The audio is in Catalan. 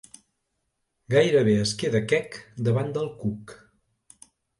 Gairebé es queda quec davant del cuc.